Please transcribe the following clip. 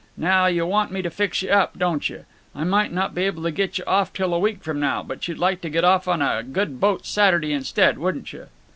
Now you want me to fix you up, don't you? I might not be able to get you off till a week from now, but you'd like to get off on a good boat Saturday instead, wouldn't you?"